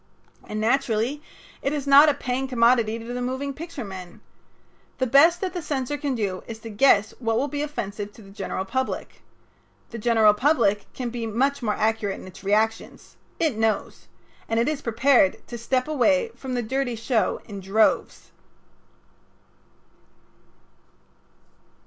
And naturally it is not a paying commodity to the moving picture men. The best that the censor can do is to guess what will be offensive to the general public. The general public can be much more accurate in its reactions. It knows. And it is prepared to stay away from the dirty show in droves.